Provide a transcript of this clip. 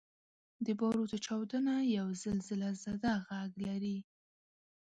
• د باروتو چاودنه یو زلزلهزده ږغ لري.